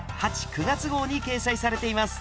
９月号に掲載されています。